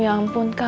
ya ampun kak